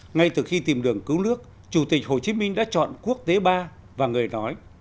ngay từ khi tìm đường cứu nước chủ tịch hồ chí minh đã chọn quốc tế ba và người nói